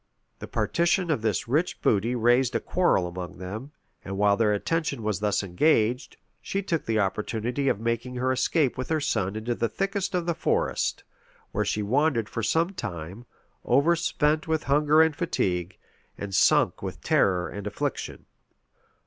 The partition of this rich booty raised a quarrel among them; and while their attention was thus engaged, she took the opportunity of making her escape with her son into the thickest of the forest where she wandered for some time, overspent with hunger and fatigue, and sunk with terror and affliction.